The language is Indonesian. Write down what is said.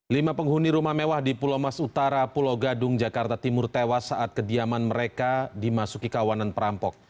lima penghuni rumah mewah di pulau mas utara pulau gadung jakarta timur tewas saat kediaman mereka dimasuki kawanan perampok